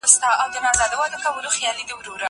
زه به موسيقي اورېدلې وي!